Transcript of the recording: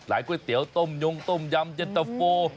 หลายก๋วยเตี๋ยวต้มยงต้มยำเจ็ดเตอร์โฟ